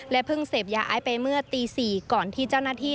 เพิ่งเสพยาไอไปเมื่อตี๔ก่อนที่เจ้าหน้าที่